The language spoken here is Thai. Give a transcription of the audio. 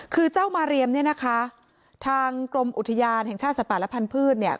คือเจ้ามาเรียมเนี่ยนะคะทางกรมอุทยานแห่งชาติสัตว์ป่าและพันธุ์เนี่ย